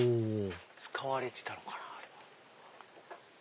使われてたのかな。